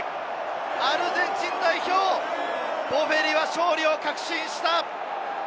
アルゼンチン代表、ボフェリは勝利を確信した！